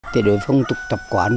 thì đối phong tục tập quán